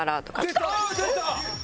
出た！